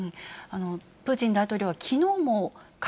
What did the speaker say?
プーチン大統領はきのうも核